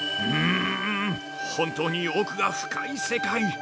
◆本当に奥が深い世界。